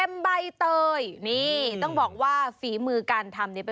มันไม่ใช่อ่ะ